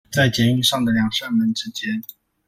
在捷運上的兩扇門之間